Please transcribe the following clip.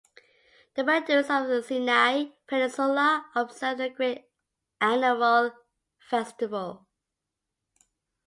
The Bedouins of the Sinai Peninsula observe a great annual festival.